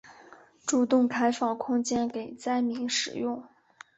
主动开放空间给灾民使用